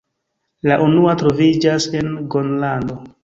La unua troviĝas en Gronlando.